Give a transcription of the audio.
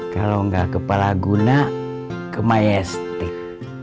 kalau gak kepala guna ke mayestif